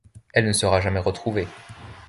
Elle ne sera jamais retrouvée.